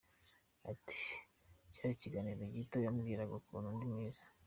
Ati “Cyari ikiganiro gito, yambwiraga ukuntu ndi mwiza.